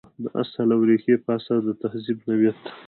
د اصل او ریښې په اساس د تهذیب نوعیت ته.